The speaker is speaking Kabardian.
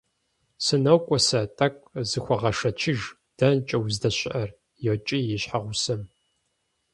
- СынокӀуэ сэ, тӀэкӀу зыхуэгъэшэчыж, дэнэкӀэ уздэщыӀэр? - йокӀий и щхьэгъусэм.